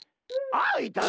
あいたい。